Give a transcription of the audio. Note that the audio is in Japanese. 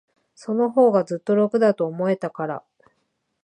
そのほうが、ずっと楽だと思えたから。